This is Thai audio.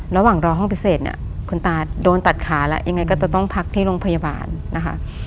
ระหว่างรอห้องพิเศษเนี่ยคุณตาโดนตัดขาแล้วยังไงก็จะต้องพักที่โรงพยาบาลนะคะ